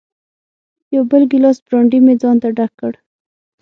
یو بل ګیلاس برانډي مې ځانته ډک کړ.